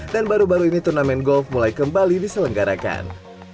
dan baru baru ini turnamen golf mulai kembali diselenggarakan